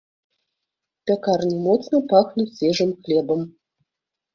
Пякарні моцна пахнуць свежым хлебам.